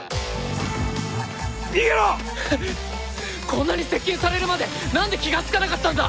こんなに接近されるまでなんで気が付かなかったんだ！